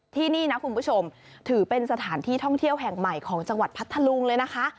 ที่นี่นะคุณผู้ชมถือเป็นสถานที่ท่องเที่ยวแห่งใหม่ของจังหวัดพัทธลุงเลยนะคะ